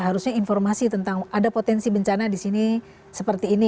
harusnya informasi tentang ada potensi bencana di sini seperti ini